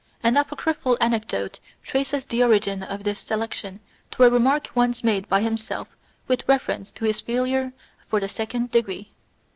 An apocryphal anecdote traces the origin of this selection to a remark once made by himself with reference to his failure for the second degree.